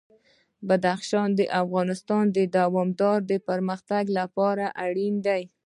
بدخشان د افغانستان د دوامداره پرمختګ لپاره اړین دي.